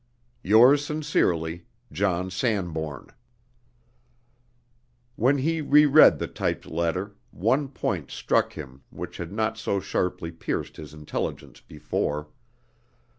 "Yours sincerely, John Sanbourne." When he re read the typed letter, one point struck him which had not so sharply pierced his intelligence before.